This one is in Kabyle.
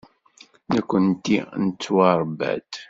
Nekkenti nettwaṛebba-d.